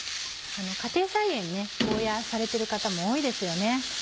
家庭菜園にゴーヤされてる方も多いですよね。